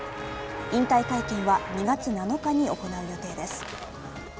引退会見は２月７日に行う予定です。